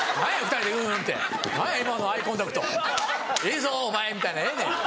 何や今のアイコンタクト「ええぞお前」みたいなええねん。